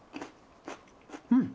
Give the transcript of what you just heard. うん！